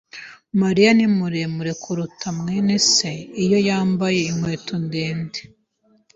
Mariya ni muremure kuruta mwene se iyo yambaye inkweto ndende.